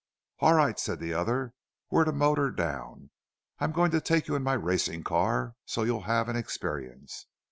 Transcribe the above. "All right," said the other, "we're to motor down. I'm going to take you in my racing car, so you'll have an experience.